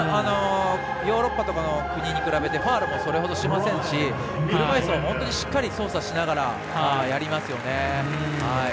ヨーロッパとかの国に比べてファウルもそれほどしませんし車いすはしっかり操作しながらやりますよね。